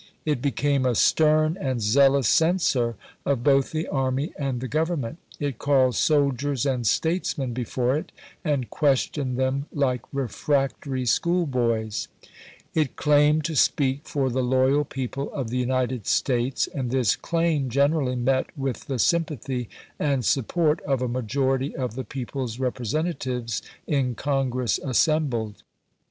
It became a stern and zealous censor of both the army and the Govern ment; it callcnl soldiers and statesmen before it, and questioned them like refractory schoolboys. It PLANS OF CAMPAIGN 151 claimed to speak for the loyal people of the United chap. ix. States, and this claim generally met with the sym pathy and support of a majority of the people's representatives in Congress assembled.